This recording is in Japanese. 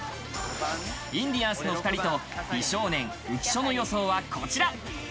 インディアンスの２人と美少年・浮所の予想はこちら。